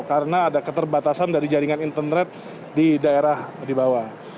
karena ada keterbatasan dari jaringan internet di daerah dibawah